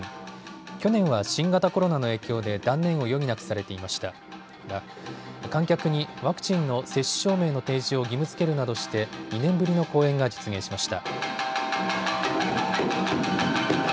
去年は新型コロナの影響で断念を余儀なくされていましたが観客にワクチンの接種証明の提示を義務づけるなどして２年ぶりの公演が実現しました。